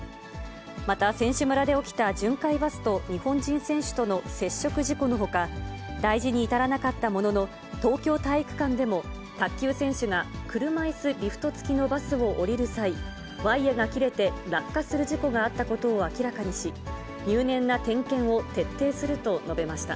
また、選手村で起きた、巡回バスと日本人選手との接触事故のほか、大事に至らなかったものの、東京体育館でも、卓球選手が車いすリフト付きのバスを降りる際、ワイヤが切れて落下する事故があったことを明らかにし、入念な点検を徹底すると述べました。